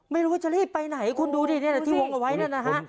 ไม่รู้ว่าจะรีบไปไหนคุณดูดินี่แหละที่วงเอาไว้นั่นนะฮะ